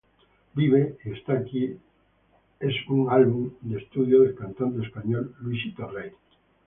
Vive...y está aquí es un álbum de estudio del cantante español Luisito Rey.